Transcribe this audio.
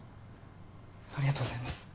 ありがとうございます。